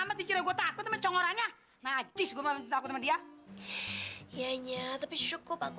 amat dikira gue takut sama congolannya macis gue mau takut sama dia iya iya tapi cukup aku